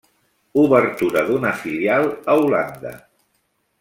Obertura d’una filial a Holanda.